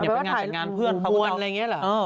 แปลว่าถ่ายลูกภูมิบ้วนอะไรอย่างนี้เหรอ